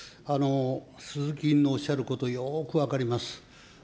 鈴木委員のおっしゃること、よく分かります。